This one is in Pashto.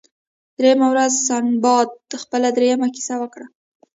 دریمه ورځ سنباد خپله دریمه کیسه وکړه.